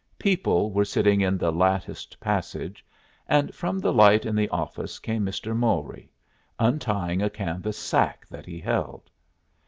People were sitting in the latticed passage, and from the light in the office came Mr. Mowry, untying a canvas sack that he held.